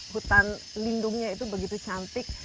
hutan lindungnya itu begitu cantik